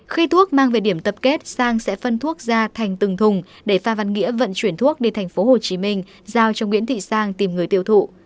khi thuốc mang về điểm tập kết sang sẽ phân thuốc ra thành từng thùng để pha văn nghĩa vận chuyển thuốc đến thành phố hồ chí minh giao cho nguyễn thị sang tìm người tiêu thụ